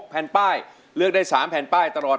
แผ่นป้ายเลือกได้๓แผ่นป้ายตลอด